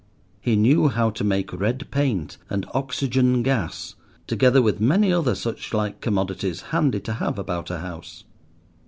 He knew how to make red paint and oxygen gas, together with many other suchlike commodities handy to have about a house.